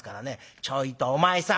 「ちょいとお前さん。